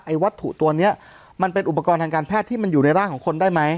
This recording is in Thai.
วัตถุตัวนี้มันเป็นอุปกรณ์ทางการแพทย์ที่มันอยู่ในร่างของคนได้ไหม